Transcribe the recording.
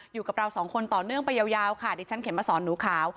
อยู่กับเราสองคนต่อเนื่องไปยาวค่ะดิฉันเข็มมาสอนหนูขาว